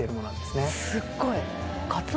すっごい。